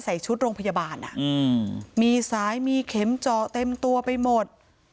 ใส่ชุดโรงพยาบาลมีสายมีเข็มเจาะเต็มตัวไปหมด